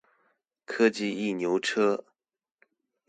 科技一牛車